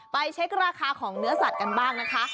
เช็คราคาของเนื้อสัตว์กันบ้างนะคะ